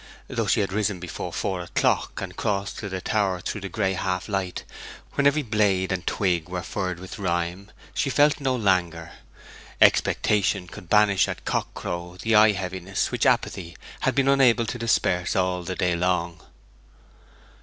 Though she had risen before four o'clock, and crossed to the tower through the gray half light when every blade and twig were furred with rime, she felt no languor. Expectation could banish at cock crow the eye heaviness which apathy had been unable to disperse all the day long.